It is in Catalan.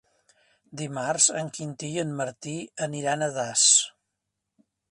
Dimarts en Quintí i en Martí aniran a Das.